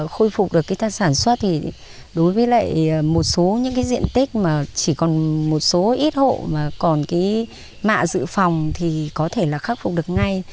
khôi phục được sản xuất thì đối với lại một số những diện tích mà chỉ còn một số ít hộ mà còn mạ dự phòng thì có thể là khắc phục được ngay